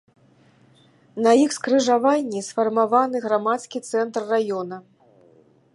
На іх скрыжаванні сфармаваны грамадскі цэнтр раёна.